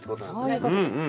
そういうことです。